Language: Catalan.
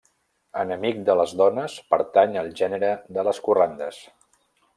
Enemic de les dones pertany al gènere de les corrandes.